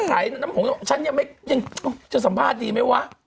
ขายน้ำหงฉันยังจะสัมภาษณ์ดีไหมวะ